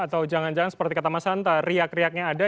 atau jangan jangan seperti kata mas hanta riak riaknya ada